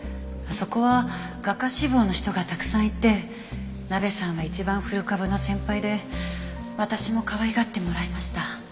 そこは画家志望の人がたくさんいてナベさんは一番古株の先輩で私もかわいがってもらいました。